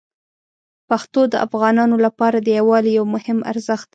پښتو د افغانانو لپاره د یووالي یو مهم ارزښت دی.